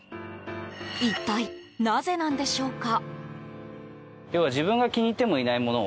一体、なぜなんでしょうか？